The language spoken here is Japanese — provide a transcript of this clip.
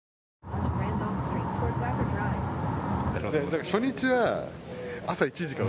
だから初日は朝１時から。